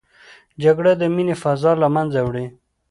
جګړه د مینې فضا له منځه وړي